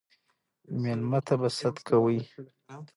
ميلمه ته به ست کوئ